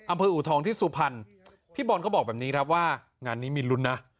อูทองที่สุพรรณพี่บอลก็บอกแบบนี้ครับว่างานนี้มีลุ้นนะ